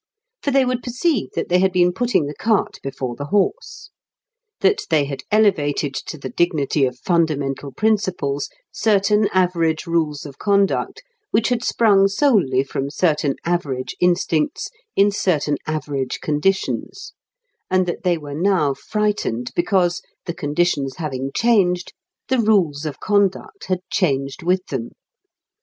For they would perceive that they had been putting the cart before the horse; that they had elevated to the dignity of fundamental principles certain average rules of conduct which had sprung solely from certain average instincts in certain average conditions, and that they were now frightened because, the conditions having changed, the rules of conduct had changed with them.